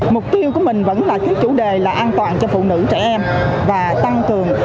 mục tiêu của mình vẫn là cái chủ đề là an toàn cho phụ nữ trẻ em và tăng cường